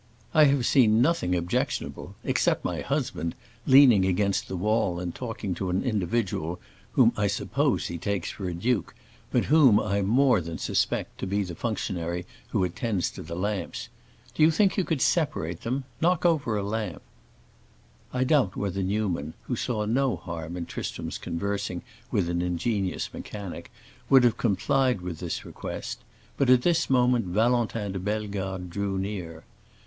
"I have seen nothing objectionable except my husband leaning against the wall and talking to an individual whom I suppose he takes for a duke, but whom I more than suspect to be the functionary who attends to the lamps. Do you think you could separate them? Knock over a lamp!" I doubt whether Newman, who saw no harm in Tristram's conversing with an ingenious mechanic, would have complied with this request; but at this moment Valentin de Bellegarde drew near.